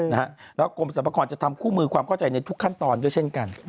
แล้วกรมสรรพากรจะทำคู่มือความเข้าใจในทุกขั้นตอนด้วยเช่นกัน